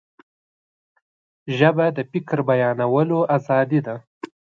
ژبه د فکر بیانولو آزادي ده